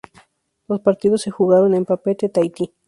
Los partidos se jugaron en Papeete, Tahití.